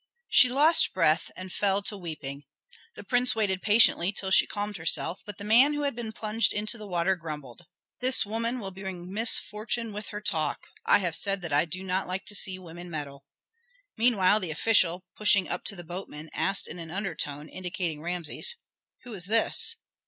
'" She lost breath and fell to weeping. The prince waited patiently till she calmed herself, but the man who had been plunged into the water grumbled. "This woman will bring misfortune with her talk. I have said that I do not like to see women meddle." Meanwhile the official, pushing up to the boatman, asked in an undertone, indicating Rameses, "Who is this?"